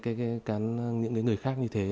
các cái người khác như thế